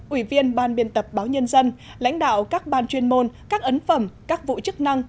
ủy viên ban biên tập báo nhân dân lãnh đạo các ban chuyên môn các ấn phẩm các vụ chức năng